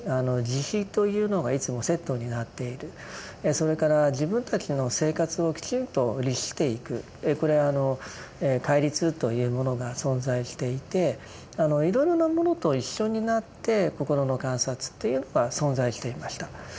それから自分たちの生活をきちんと律していくこれ戒律というものが存在していていろいろなものと一緒になって心の観察というのが存在していました。